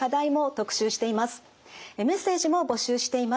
メッセージも募集しています。